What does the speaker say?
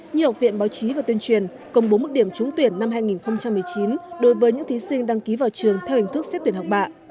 như học viện báo chí và tuyên truyền công bố mức điểm trúng tuyển năm hai nghìn một mươi chín đối với những thí sinh đăng ký vào trường theo hình thức xét tuyển học bạ